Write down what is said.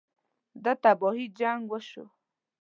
ده تباهۍ جـنګ وشو.